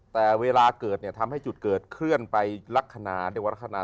แต่เวลาเกิดเนี่ยทำให้จุดเกิดเคลื่อนไปลักษณะเรียกว่าลักษณะ